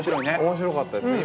面白かったですね。